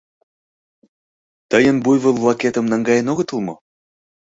— Тыйын буйвол-влакетым наҥгаен огытыл мо?